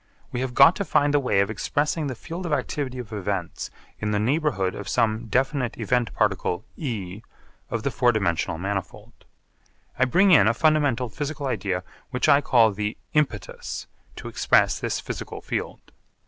We have got to find the way of expressing the field of activity of events in the neighbourhood of some definite event particle E of the four dimensional manifold. I bring in a fundamental physical idea which I call the 'impetus' to express this physical field.